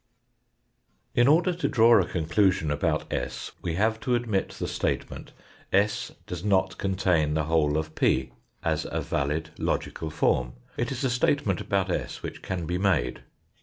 In order to draw a conclusion about s we have to admit the statement, " s does not contain the whole of p," as a valid logical form it is a statement about s which can be made.